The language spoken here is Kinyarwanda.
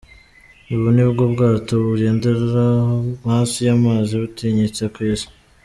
Ubu Nibwo bwato bugendera hasi y’amazi butinyitse ku Isi .